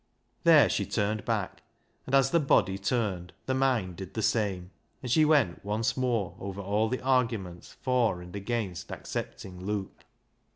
There she turned back, and as the body turned the mind did the same, and she went once more over all the arguments for and against accepting Luke.